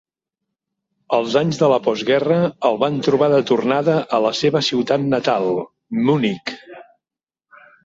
Els anys de la postguerra el van trobar de tornada a la seva ciutat natal, Munic.